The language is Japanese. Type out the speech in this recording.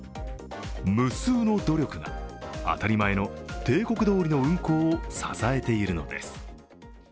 無数の努力が当たり前の定刻どおりの運行を支えているのです。